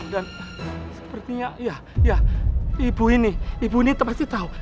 dan sepertinya ibu ini ibu ini pasti tahu